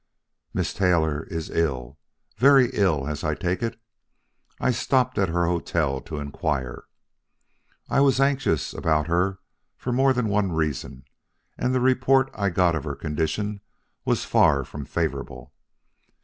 "Mrs. Taylor is ill very ill, as I take it. I stopped at her hotel to inquire. I was anxious about her for more than one reason and the report I got of her condition was far from favorable.